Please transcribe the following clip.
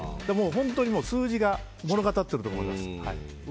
数字が物語ってると思います。